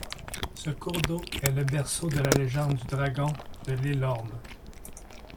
Ce cours d'eau est le berceau de la légende du Dragon de l'Élorn.